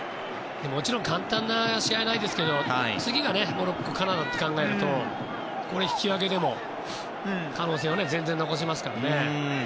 もちろん簡単な試合はないですけど次がモロッコはカナダというのを考えるとこれ、引き分けでも可能性は全然、残しますからね。